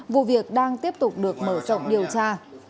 vụ việc đang tiếp tục được mở rộng điều tra